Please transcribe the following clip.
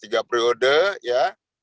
tiga periode ya